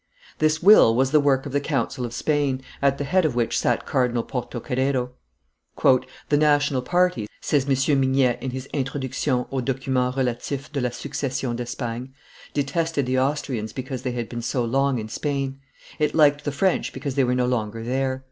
This will was the work of the council of Spain, at the head of which sat Cardinal Porto Carrero. "The national party," says M. Mignet in his "Introduction aux Documents relatifs de la Succession d'Espagne,_ "detested the Austrians because they had been so long in Spain; it liked the French because they were no longer there.